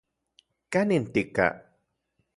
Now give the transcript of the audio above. ¿Kanin tika?